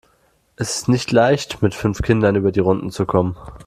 Es ist nicht leicht, mit fünf Kindern über die Runden zu kommen.